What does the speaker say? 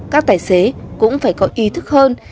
các tài xế cũng phải có ý thức hơn